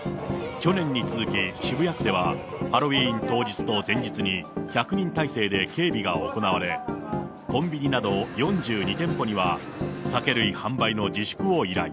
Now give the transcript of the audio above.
去年に続き、渋谷区では、ハロウィーン当日と前日に１００人態勢で警備が行われ、コンビニなど４２店舗には、酒類販売の自粛を依頼。